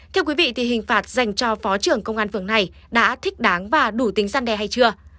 thưa quý vị thì hình phạt dành cho phó trưởng công an phường này đã thích đáng và đủ tính gian đe hay chưa